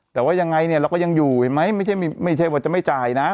แต่ว่ายังไงเนี่ยเราก็ยังอยู่เห็นไหมไม่ใช่ว่าจะไม่จ่ายนะ